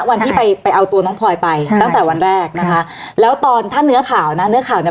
วันที่ไปไปเอาตัวน้องพลอยไปใช่ตั้งแต่วันแรกนะคะแล้วตอนถ้าเนื้อข่าวนะ